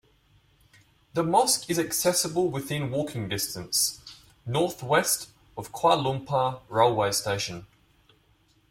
The mosque is accessible within walking distance north west of Kuala Lumpur railway station.